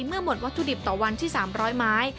เมื่อหมดวัตถุดิบต่อวันที่๓๐๐ไม้